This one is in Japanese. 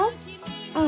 うん。